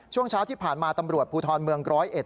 ช่วงเช้าที่ผ่านมาตำรวจภูทรเมืองร้อยเอ็ด